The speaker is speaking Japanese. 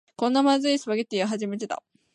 こんなまずいスパゲティは初めてだ